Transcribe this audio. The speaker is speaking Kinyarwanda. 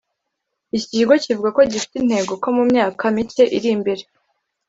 Iki kigo kivuga ko gifite intego ko mu myaka mike iri imbere